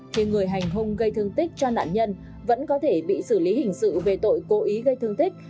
khi người hành hung gây thương tích cho nạn nhân vẫn có thể bị xử lý hình sự về tội cố ý gây thương tích